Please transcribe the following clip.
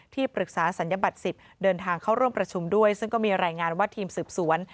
ที่ปรึกษาศัลยบัตร๑๐เดินทางเข้าร่วมประชุมด้วยซึ่งก็มีรายงานว่าทีมสืบสวน